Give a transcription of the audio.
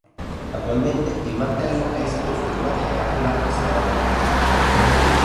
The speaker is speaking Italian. Attualmente il mantello è esposto in una teca in atmosfera controllata.